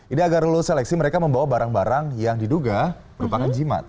ini agar lulus seleksi mereka membawa barang barang yang diduga merupakan jimat